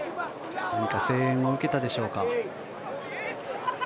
何か声援を受けたでしょうか。